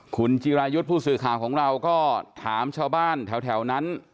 คุณจิรายุทธ์ผู้สื่อข่าวของเราก็ถามชาวบ้านแถวนั้น